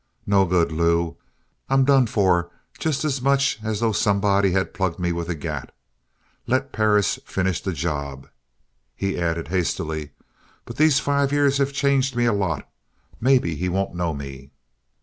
No good, Lew. I'm done for just as much as though somebody had plugged me with a gat. Let Perris finish the job." He added hastily: "But these five years have changed me a lot. Maybe he won't know me."